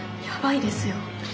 やばいですよ。